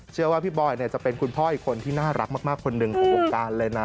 เชื่อว่าพี่บอยจะเป็นคุณพ่ออีกคนที่น่ารักมากคนหนึ่งของวงการเลยนะ